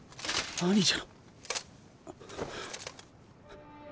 兄者。